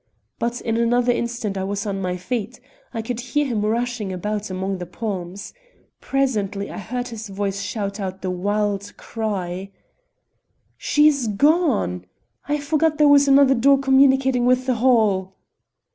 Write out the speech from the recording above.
But in another instant I was on my feet. I could hear him rushing about among the palms. Presently I heard his voice shout out the wild cry: "She is gone! I forgot there was another door communicating with the hall."